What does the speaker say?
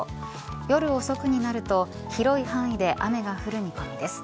夜遅くになると広い範囲で雨が降る見込みです。